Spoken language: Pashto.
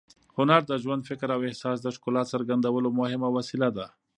هنر د ژوند، فکر او احساس د ښکلا څرګندولو مهم وسیله ده.